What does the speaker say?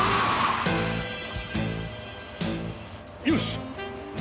よし！